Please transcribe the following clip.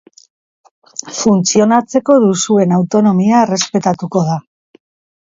Funtzionatzeko duzuen autonomia errespetatuko da.